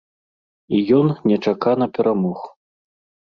І ён нечакана перамог.